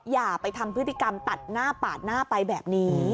อย่าไปทำพฤติกรรมตัดหน้าปาดหน้าไปแบบนี้